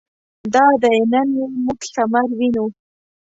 دادی نن یې موږ ثمر وینو.